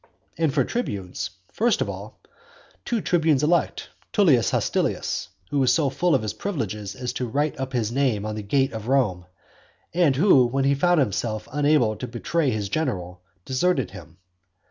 And for tribunes, first of all two tribunes elect, Tullus Hostilius, who was so full of his privileges as to write up his name on the gate of Rome; and who, when he found himself unable to betray his general, deserted him.